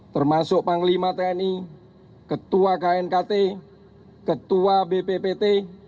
termasuk panglima tni ketua knkt ketua bppt